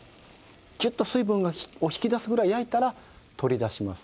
きゅっと水分を引き出すぐらい焼いたら取り出します。